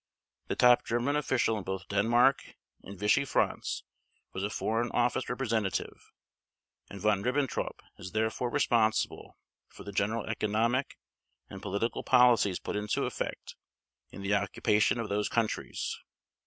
The top German official in both Denmark and Vichy France was a Foreign Office representative, and Von Ribbentrop is therefore responsible for the general economic and political policies put into effect in the occupation of those countries.